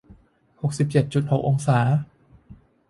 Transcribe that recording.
หกสิบเจ็ดจุดหกองศา